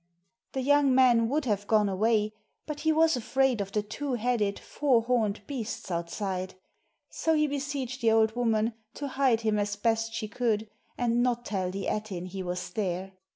The young man would have gone away, but he was afraid of the two headed four horned beasts outside ; so he beseeched the old woman to hide him as best she could, and not tell the Ettin he was there.